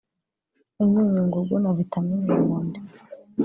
imyunyungugu na vitamini mu mubiri